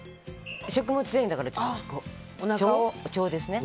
食物繊維だから、腸ですね。